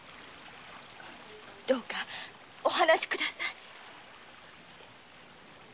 どうかお話し下さい。